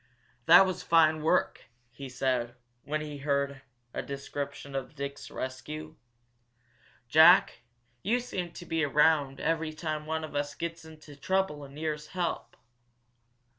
"That was fine work!" he said, when he had heard a description of Dick's rescue. "Jack, you seem to be around every time one of us gets into trouble and needs help!"